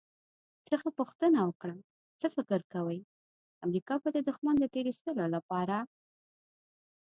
څخه پوښتنه وکړه «څه فکر کوئ، امریکا به د دښمن د تیرایستلو لپاره»